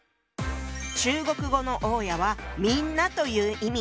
中国語の大家は「みんな」という意味。